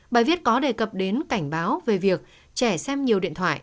bài viết có đề cập đến cảnh báo về việc trẻ xem nhiều điện thoại